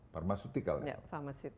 parma sutikel ya